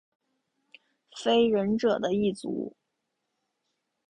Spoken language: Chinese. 非人者的一族。